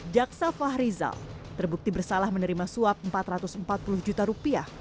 jaksa fahrizal terbukti bersalah menerima suap empat ratus empat puluh juta rupiah